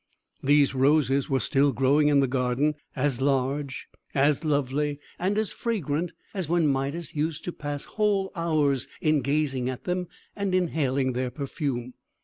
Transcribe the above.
These roses were still growing in the garden, as large, as lovely, and as fragrant as when Midas used to pass whole hours in gazing at them, and inhaling their perfume.